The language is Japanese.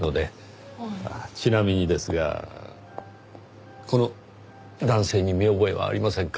ちなみにですがこの男性に見覚えはありませんか？